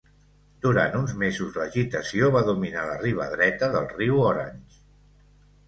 Durant uns mesos l'agitació va dominar la riba dreta del riu Orange.